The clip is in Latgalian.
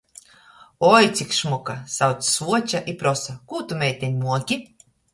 "Oi, cik šmuka!" sauc svuoča i prosa: "Kū tu, meiteņ, muoki?